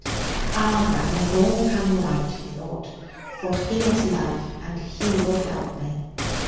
'Ah, well, it'll all come right,' he thought, 'for He is love, and He will help me.'